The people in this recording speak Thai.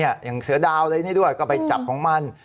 อย่างเสือดาวอะไรนี่ด้วยก็ไปจับของมัน